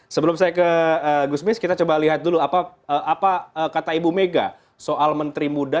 sebelum saya ke gusmis kita coba lihat dulu apa kata ibu mega soal menteri muda